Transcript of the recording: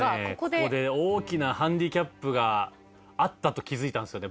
ここで大きなハンディキャップがあったと気づいたんですよね